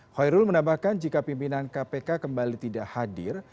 hoirul menambahkan jika pimpinan kpk kembali tidak hadir